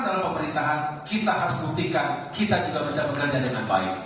dalam pemerintahan kita harus buktikan kita juga bisa bekerja dengan baik